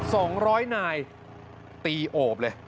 สองร้อยนายตีโอบเลย